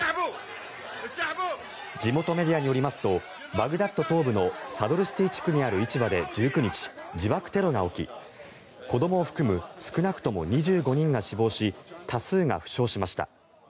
地元メディアによりますとバグダッド東部のサドルシティ地区にある市場で１９日、自爆テロが起き子どもを含む少なくとも２５人が死亡し多数が負傷しました。